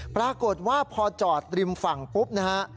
ปรากฏว่าพอจอดริมฝั่งปุ๊บนะฮะ